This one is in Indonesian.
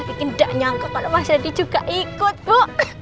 kiki gak nyangka kalau mas randy juga ikut bu